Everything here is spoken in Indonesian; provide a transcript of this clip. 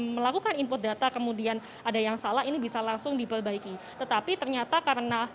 melakukan input data kemudian ada yang salah ini bisa langsung diperbaiki tetapi ternyata karena